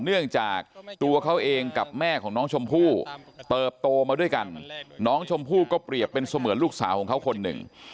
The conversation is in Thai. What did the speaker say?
เนื่องจากตัวเขาเองกับแม่ของน้องชมพู่เติบโตมาด้วยกันน้องชมพู่ก็เปรียบเป็นเสมือนลูกสาวของเขาคนหนึ่ง